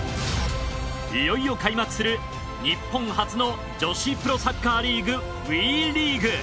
いよいよ開幕する日本初の女子プロサッカーリーグＷＥリーグ。